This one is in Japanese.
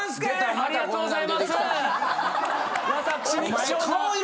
ありがとうございます。